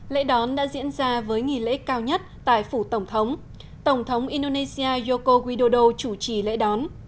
lễ đón đã diễn ra với nghi lễ cao nhất tại phủ tổng thống tổng thống indonesia yoko widodo chủ trì lễ đón